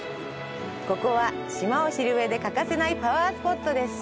ここは、島を知る上で欠かせないパワースポットです。